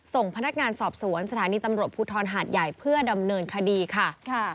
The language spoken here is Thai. ส่งพนักงานสอบสวนสถานีตำรวจภูทรหาดใหญ่เพื่อดำเนินคดีค่ะ